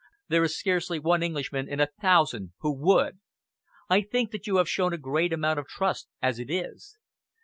There is scarcely one Englishman in a thousand who would. I think that you have shown a great amount of trust as it is.